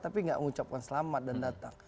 tapi gak mengucapkan selamat dan datang